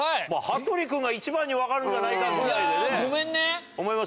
羽鳥君が一番に分かるんじゃないかぐらい。